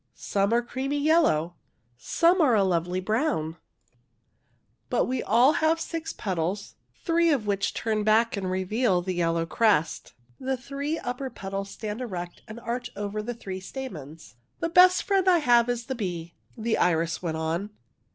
'' Some are creamy yellow. Some are a lovely brown. But 144 THE IRIS we all have six petals, three of which turn back and reveal the yellow crest. The three upper petals stand erect and arch over the three stamens. '' The best friend I have is the bee," the iris went on.